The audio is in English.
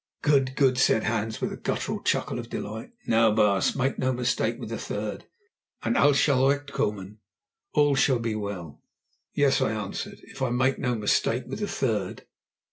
"Good, good!" said Hans with a guttural chuckle of delight. "Now, baas, make no mistake with the third, and 'als sall recht kommen' (all shall be well)." "Yes," I answered; "if I make no mistake with the third."